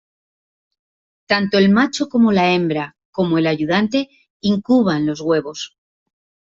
Tanto el macho como la hembra, como el ayudante, incuban los huevos.